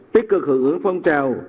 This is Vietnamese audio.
tích cực hướng phong trào